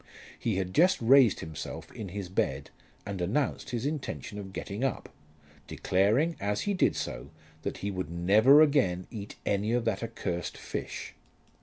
He had just raised himself in his bed and announced his intention of getting up, declaring, as he did so, that he would never again eat any of that accursed fish.